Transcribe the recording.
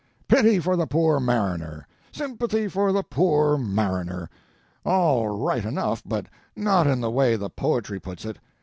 Pity for the poor mariner! sympathy for the poor mariner! All right enough, but not in the way the poetry puts it.